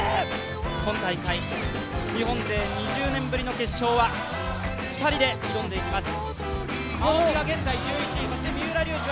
今大会日本勢２０年ぶりの決勝は２人で挑んでいきます。